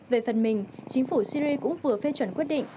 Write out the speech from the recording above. về phần mình chính phủ syri cũng vừa phê chuẩn quyết định